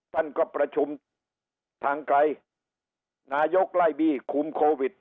ท่านก็ประชุมทางไกลนายกไล่บี้คุมโควิด